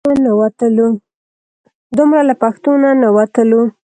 دومره له پښتو نه نه وتلو.